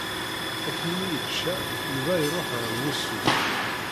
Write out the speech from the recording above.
Akken mi yečča, Yuba iruḥ ɣer wusu.